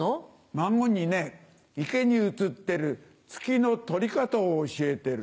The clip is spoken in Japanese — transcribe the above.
孫にね池に映ってる月の取り方を教えてる。